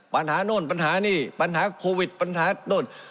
ปัญหาโน่นปัญหานี่ปัญหาโควิดปัญหาโน่น